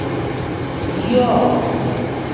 Yoo.